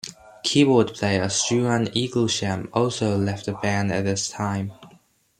Keyboard player Struan Eaglesham also left the band at this time.